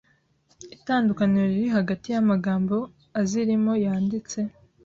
itandukaniro riri hagati y amagambo azirimo yanditse